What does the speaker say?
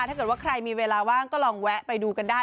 ถ้าเกิดว่าใครมีเวลาว่างก็ลองแวะไปดูกันได้